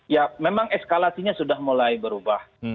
ya memang eskalasinya sudah mulai berubah